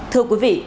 thưa quý vị